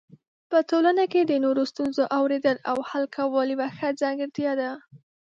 په ټولنه کې د نورو ستونزو اورېدل او حل کول یو ښه ځانګړتیا ده.